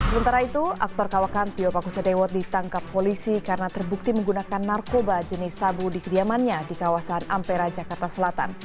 sementara itu aktor kawakan tio pakusadewo ditangkap polisi karena terbukti menggunakan narkoba jenis sabu di kediamannya di kawasan ampera jakarta selatan